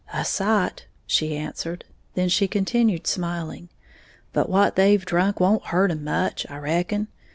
"A sight!" she answered; then she continued smiling, "but what they've drank won't hurt 'em much, I reckon.